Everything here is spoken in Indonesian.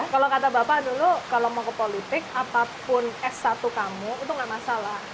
kalau kata bapak dulu kalau mau ke politik apapun s satu kamu itu nggak masalah